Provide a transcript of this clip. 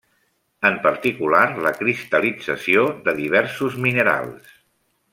En particular, la cristal·lització de diversos minerals.